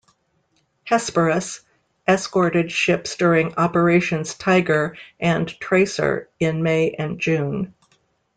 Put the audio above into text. "Hesperus" escorted ships during Operations Tiger and Tracer in May and June.